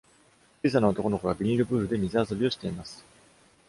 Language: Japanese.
小さな男の子がビニールプールで水遊びをしています。